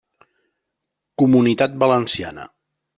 Comunitat Valenciana.